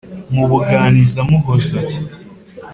mubuganiza muhoza